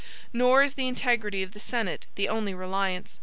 Nor is the integrity of the Senate the only reliance.